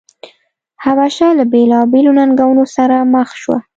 حبشه له بېلابېلو ننګونو سره مخ شوه.